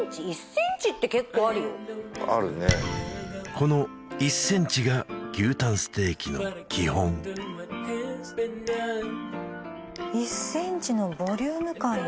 この１ｃｍが牛タンステーキの基本１ｃｍのボリューム感よ